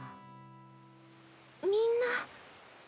みんな。